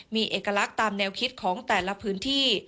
มีเอกลักษณ์ตามแนวคิดของแต่ละพื้นที่